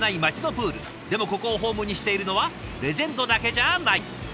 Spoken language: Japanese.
でもここをホームにしているのはレジェンドだけじゃあない。